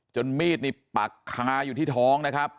มีดนี่ปักคาอยู่ที่ท้องนะครับ